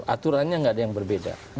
aturannya tidak ada yang berbeda